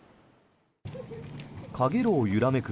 かげろう揺らめく